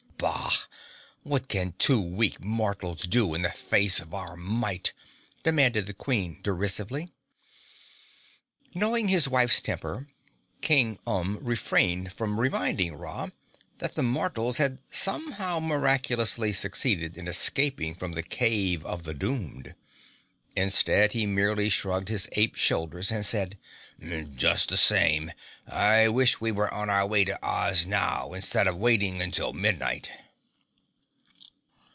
"Bah! What can two weak mortals do in the face of our might?" demanded the Queen derisively. Knowing his wife's temper, King Umb refrained from reminding Ra that the mortals had somehow miraculously succeeded in escaping from the Cave of the Doomed. Instead, he merely shrugged his ape shoulders and said, "Just the same, I wish we were on our way to Oz now, instead of waiting until midnight."